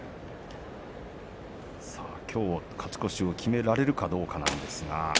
きょう勝ち越しを決められるかどうか。